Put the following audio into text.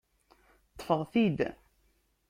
Ṭṭfeɣ-t-id!